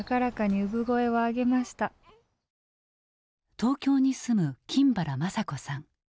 東京に住む金原まさ子さん。